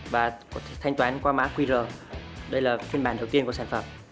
với ý tưởng sẽ sạc pin qua mã qr đây là phiên bản đầu tiên của sản phẩm